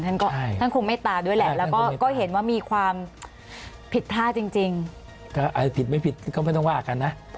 ท่านคงเมตตาด้วยแหละแล้วก็เห็นว่ามีความผิดท่าจริงถ้าอะไรผิดไม่ผิดก็ไม่ต้องว่ากันนะ